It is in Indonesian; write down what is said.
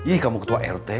ih kamu ketua rt